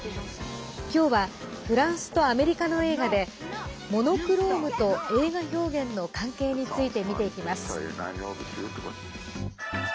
きょうはフランスとアメリカの映画でモノクロームと映画表現の関係について見ていきます。